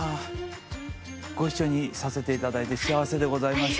ご一緒にさせていただいて幸せでございました。